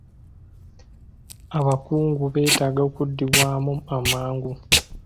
Abakungu beetaaga okuddibwamu amangu.